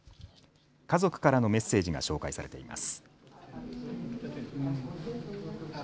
家族からのメッセージが紹介されています。